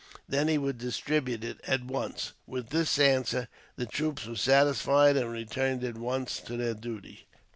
Then he would distribute it, at once. With this answer the troops were satisfied, and returned at once to their duty.